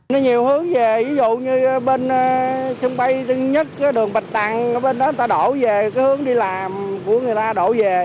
nhiều hướng về ví dụ như bên sân bay tân nhất đường bạch đăng bên đó người ta đổ về cái hướng đi làm của người ta đổ về